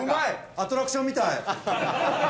アトラクションみたい。